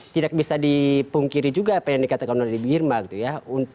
tidak bisa dipungkiri juga apa yang dikatakan oleh ibu irma gitu ya